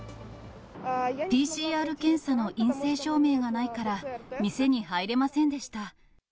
ＰＣＲ検査の陰性証明がないから、店に入れませんでした。